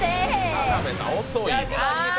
田辺さん遅いよ。